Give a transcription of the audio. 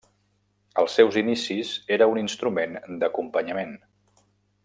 Als seus inicis era un instrument d'acompanyament.